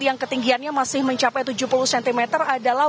yang ketinggiannya masih mencapai tujuh puluh cm adalah